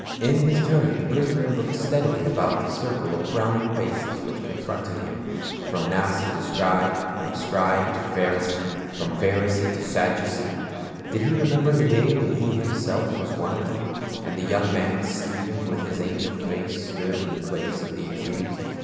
In his turn the prisoner looked steadily about tlic circle of frowning faces which confronted him, from Na si to Scribe, from Scribe to Pharisee, from Pharisee A PROMISE AND A VOW. 393 to Sadducee. Did he remember the day when he him self was one of them, and the young man Stephen with his angel face stood in the place of the accused